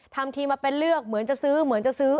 ทำทีมาเป็นเลือกเหมือนจะซื้อเหมือนจะซื้อ